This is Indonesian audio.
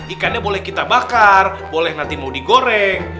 ikannya boleh kita bakar boleh nanti mau digoreng